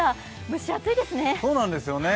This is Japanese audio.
蒸し暑いですね。